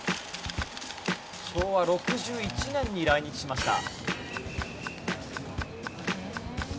昭和６１年に来日しました。